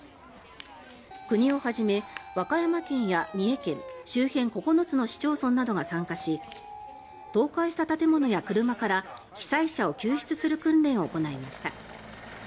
国をはじめ、和歌山県や三重県周辺９つの市町村などが参加し倒壊した建物や車から被災者を救出する訓練を行いました。